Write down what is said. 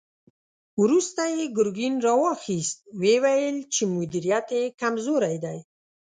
وروسته يې ګرګين را واخيست، ويې ويل چې مديريت يې کمزوری دی.